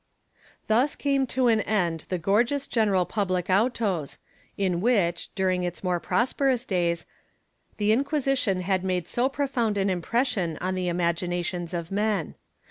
^ Thus came to an end the gorgeous general public autos in which, during its more prosperous days, the Inquisition had made so profound an impression on the imaginations of men.